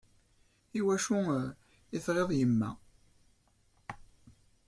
I wacu i teɣɣiḍ yemma?